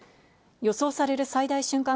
予想される最大瞬間